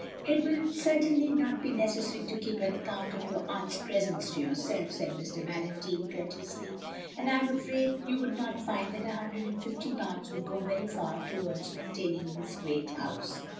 " It will certainly not be necessary to keep an account of your aunt's presents to yourself, " said Mr. Valentine, cotirteously, "and I am afraid you wotild not find that a htmdred and fifty potmds would go very far towards maintaining this great house.